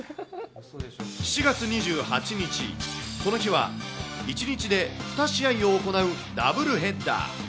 ７月２８日、この日は一日で２試合を行うダブルヘッダー。